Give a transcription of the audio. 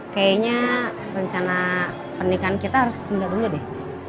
kayaknya rencana pernikahan kita harus tunda dulu deh